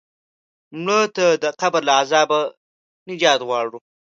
مړه ته د قبر له عذابه نجات غواړو